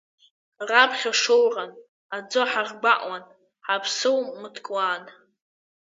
Раԥхьа шоуран, аӡы ҳаргәаҟуан, ҳаԥсылмыткуан.